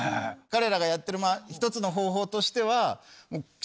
彼らがやってる１つの方法としては。